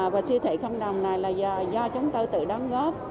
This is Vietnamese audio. và siêu thị không đồng này là do chúng tôi tự đóng góp